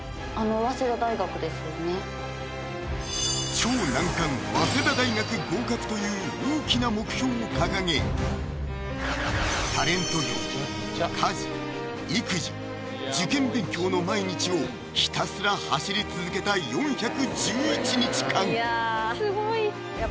超難関早稲田大学合格という大きな目標を掲げタレント業・家事・育児受験勉強の毎日をひたすら走り続けた４１１日間いや